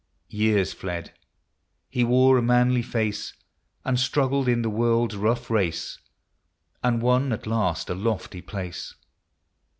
Years fled ;— he wore a manly face, And struggled in the world's rough race, And won at last a lofty place.